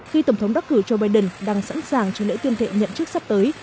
khi tổng thống đắc cử joe biden đang sẵn sàng cho lễ tiên thệ nhận chức sắp tới